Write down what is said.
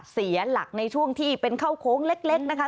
เสียหลักในช่วงที่เป็นเข้าโค้งเล็กนะคะ